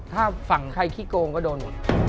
ถ้าฝั่งใครขี้โกงก็โดนหมด